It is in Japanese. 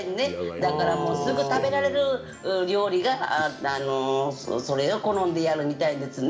だから、すぐ食べられる料理が好んでやるみたいですね。